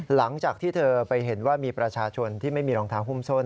หลังจากที่เธอไปเห็นว่ามีประชาชนที่ไม่มีรองเท้าหุ้มส้น